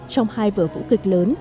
trong hai vở vũ kịch lớn